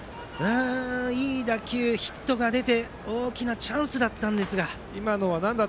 いい打球、ヒットが出て大きなチャンスでしたが。